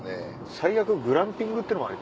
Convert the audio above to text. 最悪グランピングってのもあり。